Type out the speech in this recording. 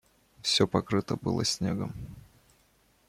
Все покрыто было снегом.